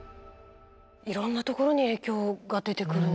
いろんなところに影響が出てくるんですね。